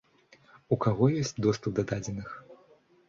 У каго ёсць доступ да дадзеных?